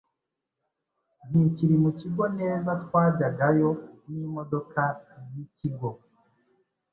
ntikiri mu kigo neza twajyagayo n'imodoka y'ikigo